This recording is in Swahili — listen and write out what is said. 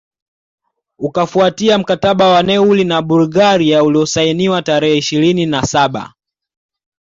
Ukafuatia mkataba wa Neuilly na Bulgaria uliosainiwa tarehe ishirini na saba